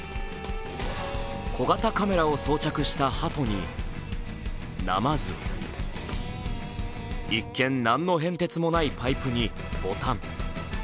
小型カメラを装着したはとになまず、一見、何の変哲もないパイプにボタン。